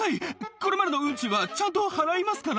これまでの運賃はちゃんと払いますから。